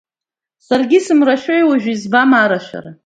Саргьы исымрашәои, уажәы избама арашәара.